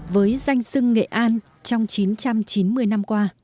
với danh sưng nghệ an trong chín trăm chín mươi năm qua